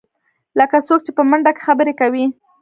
لکه څوک چې په منډه کې خبرې کوې.